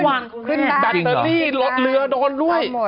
แบตเตอรี่รถเรือโดดลุ้ย